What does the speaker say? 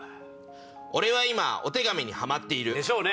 俺は今お手紙にハマっている」。でしょうね。